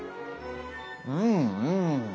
うんうん！